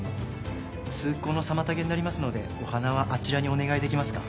通行の妨げになりますのでお花はあちらにお願いできますか。